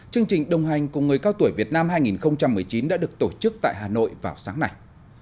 chương trình đồng hành cùng người cao tuổi việt nam hai nghìn một mươi chín đã được tổ chức tại hà nội vào sáng nay